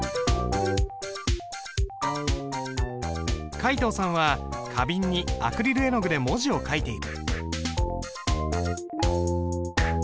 皆藤さんは花瓶にアクリル絵の具で文字を書いている。